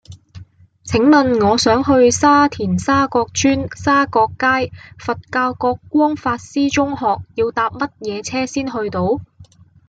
請問我想去沙田沙角邨沙角街佛教覺光法師中學要搭乜嘢車先去到